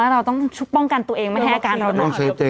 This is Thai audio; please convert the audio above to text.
เราต้องชุบป้องกันตัวเองมาแฮกการเป็นอะไร